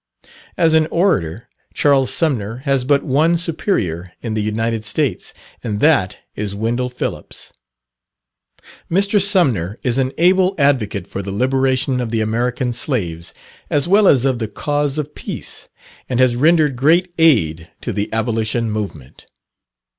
As an orator, Charles Sumner has but one superior in the United States, and that is Wendell Phillips. Mr. Sumner is an able advocate for the liberation of the American Slaves as well as of the cause of Peace, and has rendered great aid to the abolition movement.